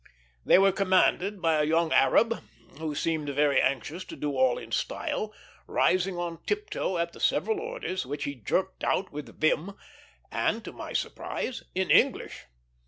They were commanded by a young Arab, who seemed very anxious to do all in style, rising on tiptoe at the several orders, which he jerked out with vim, and to my surprise in English.